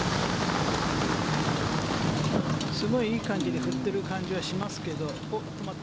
すごいいい感じで振ってる感じはしますけれども。